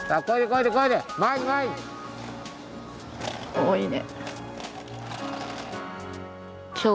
おお、いいね。